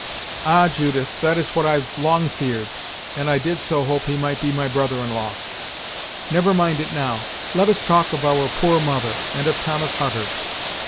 "Ah! Judith; that is what I've long feared and I did so hope he might be my brother in law!" "Never mind it now. Let us talk of our poor mother and of Thomas Hutter."